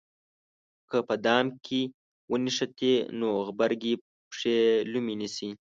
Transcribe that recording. که په دام کې ونښتې نو غبرګې پښې یې لومې نیسي.